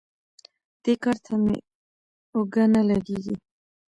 دې کار ته مې اوږه نه لګېږي.